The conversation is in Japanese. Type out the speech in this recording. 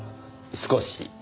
少し。